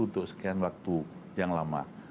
untuk sekian waktu yang lama